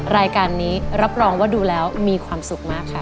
รายการนี้รับรองว่าดูแล้วมีความสุขมากค่ะ